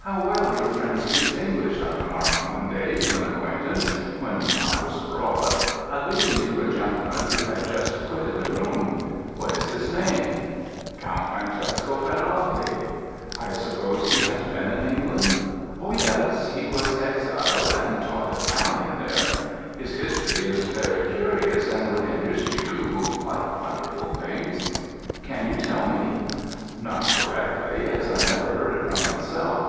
"How well your friend speaks English!" I remarked one day to an acquaintance when I was abroad, alluding to a gentleman who had just quitted the room. "What is his name?" "Count Francesco Ferraldi." "I suppose he has been in England?" "Oh, yes; he was exiled and taught Italian there. His history is very curious and would interest you, who like wonderful things." "Can you tell it me." "Not correctly, as I never heard it from himself.